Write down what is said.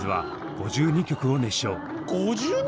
５２曲？！